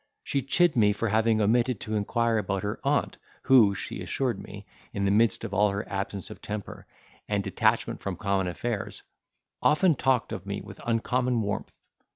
She chid me for having omitted to inquire about her aunt who (she assured me), in the midst of all her absence of temper, and detachment from common affairs, often talked of me with uncommon warmth.